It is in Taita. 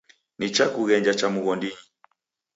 Nichakughenja cha mghondinyi.